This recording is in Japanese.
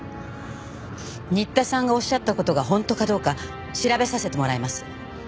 新田さんがおっしゃった事が本当かどうか調べさせてもらいます。